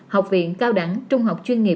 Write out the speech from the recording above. học viện cao đẳng trung học chuyên nghiệp